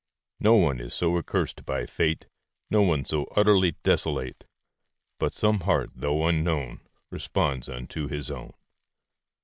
No one is so accursed by fate, No one so utterly desolate, But some heart, though unknown, Responds unto his own.